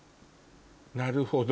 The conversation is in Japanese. なるほど。